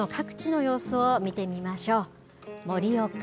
それでは今の各地の様子を見てみましょう。